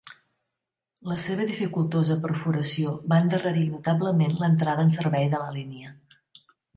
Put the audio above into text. La seva dificultosa perforació va endarrerir notablement l’entrada en servei de la línia.